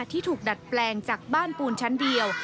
ที่ถูกดัดแปลงจากบ้านปูนชั้นเดียว